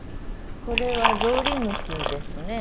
これはゾウリムシですね。